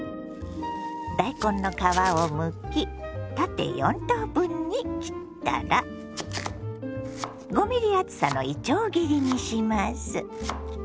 大根の皮をむき縦４等分に切ったら５ｍｍ厚さのいちょう切りにします。